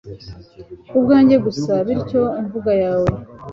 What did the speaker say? kubwanjye gusa - bityo imvugo yawe